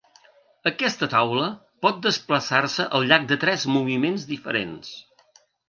Aquesta taula pot desplaçar-se al llarg de tres moviments diferents: